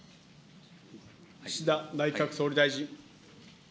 岸田内閣総理大臣。